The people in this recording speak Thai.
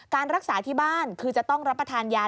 การรักษาที่บ้านคือจะต้องรับประทานยา